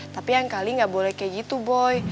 tapi yang kali gak boleh kayak gitu boy